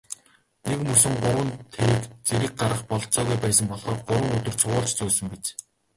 Нэгмөсөн гурван тэрэг зэрэг гаргах бололцоогүй байсан болохоор гурван өдөр цувуулж зөөсөн биз.